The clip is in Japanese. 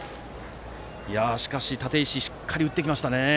しかし、立石しっかり打ってきましたね。